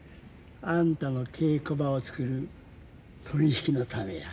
あんたの稽古場を作る取り引きのためや。